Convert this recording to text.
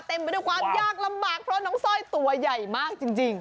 ไปด้วยความยากลำบากเพราะน้องสร้อยตัวใหญ่มากจริง